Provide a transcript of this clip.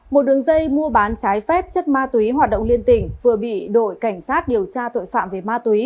một đường dây mua bán trái phép chất ma túy hoạt động liên tỉnh vừa bị đội cảnh sát điều tra tội phạm về ma túy